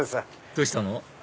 どうしたの？